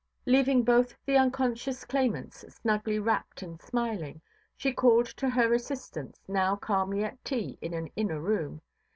Leaving both the unconscious claimants snugly wrapped and smiling, she called to her assistants, now calmly at tea in an inner room.